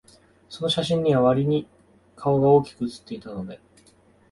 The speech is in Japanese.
その写真には、わりに顔が大きく写っていたので、